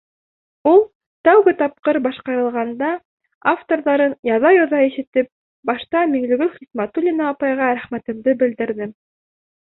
Ул тәүге тапҡыр башҡарылғанда, авторҙарын яҙа-йоҙа ишетеп, башта Миңлегөл Хисмәтуллина апайға рәхмәтемде белдерҙем.